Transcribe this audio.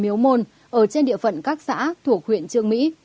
miếu môn ở trên địa phận các xã thuộc huyện trương mỹ